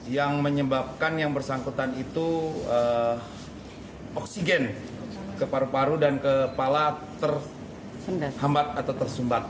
yang menyebabkan yang bersangkutan itu oksigen ke paru paru dan kepala terhambat atau tersumbat